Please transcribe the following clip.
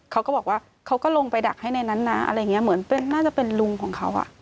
เขาก็บอกว่าเขาก็ลงไปดักให้ในนั้นนะอะไรอย่างนี้เหมือนน่าจะเป็นลุงของเขาอ่ะ